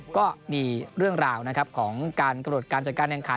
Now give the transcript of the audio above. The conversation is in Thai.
ก็มีเรื่องราวของการกระโดดการจัดการแข่งขัน